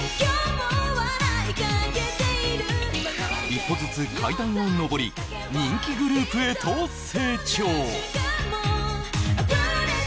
一歩ずつ階段を上り、人気グループへと成長。